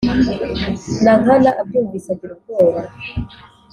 nankana abyumvise agira ubwoba,